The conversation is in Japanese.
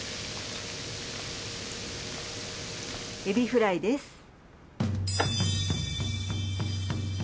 エビフライです。